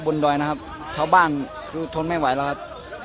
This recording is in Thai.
ดอยนะครับชาวบ้านคือทนไม่ไหวแล้วครับ